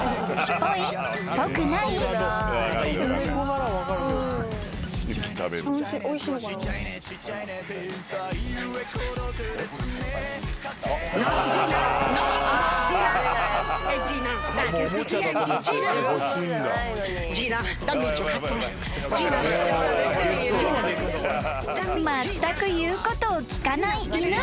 ［まったく言うことを聞かない犬］